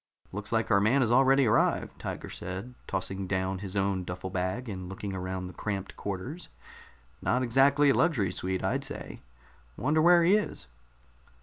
"Looks like our man has already arrived," Tiger said, tossing down his own duffel bag and looking around the cramped quarters. "Not exactly a luxury suite, I'd say. Wonder where he is?"